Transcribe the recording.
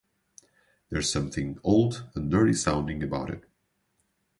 There's something old and dirty-sounding about it.